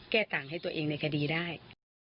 ต่างให้ตัวเองในคดีได้